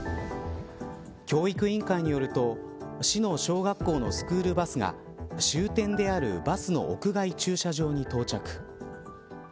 教育委員会によると市の小学校のスクールバスが終点であるバスの屋外駐車場に到着。